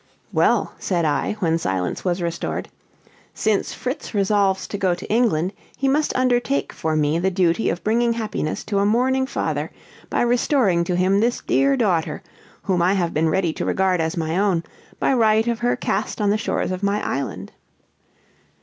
"Well," said I, when silence was restored, "since Fritz resolves to go to England, he must undertake for me the duty of bringing happiness to a mourning father by restoring to him this dear daughter, whom I have been ready to regard as my own, by right of her cast on the shores of my island.